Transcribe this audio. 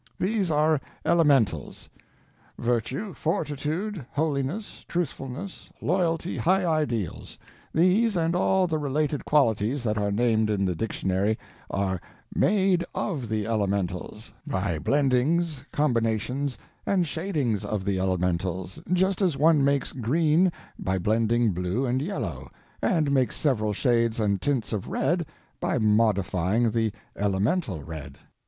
These are elementals. Virtue, fortitude, holiness, truthfulness, loyalty, high ideals—these, and all the related qualities that are named in the dictionary, are _made of the elementals, _by blendings, combinations, and shadings of the elementals, just as one makes green by blending blue and yellow, and makes several shades and tints of red by modifying the elemental red.